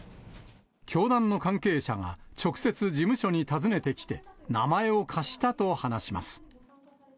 教団の関係者が、直接、事務所に訪ねてきて、名前を貸したと話します。